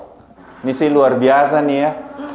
ini sih luar biasa nih ya